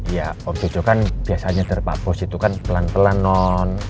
ya waktu itu kan biasanya dari pak bos itu kan pelan pelan non